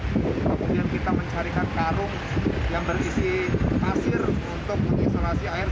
kemudian kita mencarikan karung yang berisi pasir untuk mengisolasi air